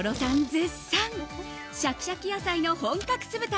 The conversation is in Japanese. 絶賛シャキシャキ野菜の本格酢豚。